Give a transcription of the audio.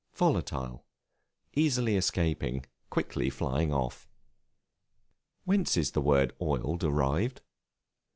Volatile, easily escaping, quickly flying off. Whence is the word Oil derived?